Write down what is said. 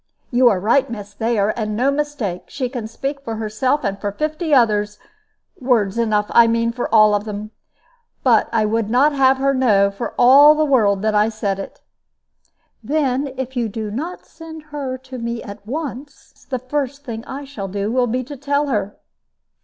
"You are right, miss, there, and no mistake. She can speak for herself and for fifty others words enough, I mean, for all of them. But I would not have her know for all the world that I said it." "Then if you do not send her to me at once, the first thing I shall do will be to tell her."